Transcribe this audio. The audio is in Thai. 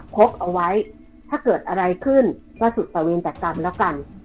พกเอาไว้ถ้าเกิดอะไรขึ้นก็สุดประเวนแต่กรรมแล้วกัน